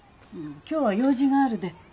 今日は用事があるで。